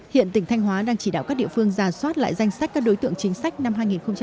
hiện tỉnh thanh hóa đang chỉ đạo các địa phương giả soát lại danh sách các đối tượng chính sách năm hai nghìn hai mươi